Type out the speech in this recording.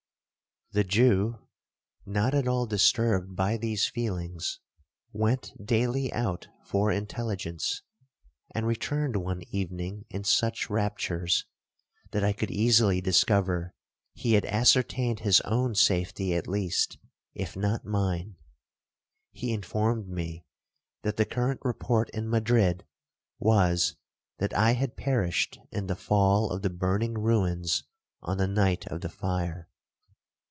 'The Jew, not at all disturbed by these feelings, went daily out for intelligence, and returned one evening in such raptures, that I could easily discover he had ascertained his own safety at least, if not mine. He informed me that the current report in Madrid was, that I had perished in the fall of the burning ruins on the night of the fire.